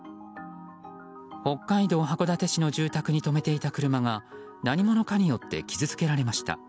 北海道函館市の住宅に止めていた車が何者かによって傷つけられました。